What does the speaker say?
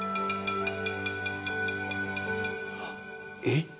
えっ？